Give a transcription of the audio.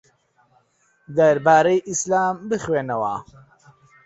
دەربارەی ئیسلام بخوێنەوە.